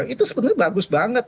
itu sebenarnya bagus banget